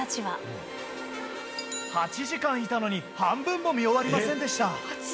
８時間いたのに半分も見終わりませんでした。